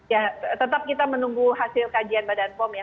ya tetap kita menunggu hasil kajian badan pom ya